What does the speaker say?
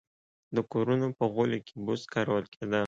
د کورونو په غولي کې بوس کارول کېدل.